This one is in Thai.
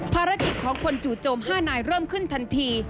ภารกิจของคนจู่โจม๕นายเริ่มขึ้นทันที